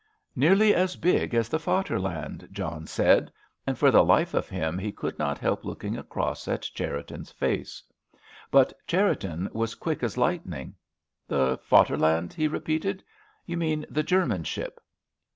"Nearly as big as the Vaterland," John said, and for the life of him he could not help looking across at Cherriton's face. But Cherriton was quick as lightning. "The Vaterland?" he repeated. "You mean the German ship?"